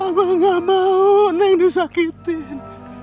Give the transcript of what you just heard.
abah gak mau neng disakitin